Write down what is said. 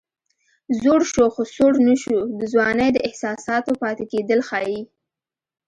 زوړ شو خو سوړ نه شو د ځوانۍ د احساساتو پاتې کېدل ښيي